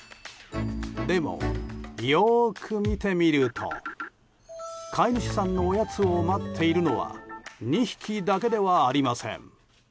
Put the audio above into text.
でも、よく見てみると飼い主さんのおやつを待っているのは２匹だけではありません。